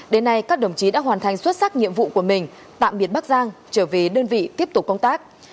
đến nay các đồng chí đã hoàn thành xuất sắc nhiệm vụ của mình tạm biệt bắc giang trở về đơn vị tiếp tục công tác